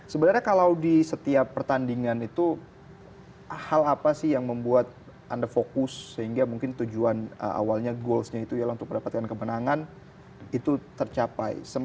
sebenarnya kalau di setiap pertandingan itu hal apa sih yang membuat anda fokus sehingga mungkin tujuan awalnya goalsnya itu ialah untuk mendapatkan kemenangan itu tercapai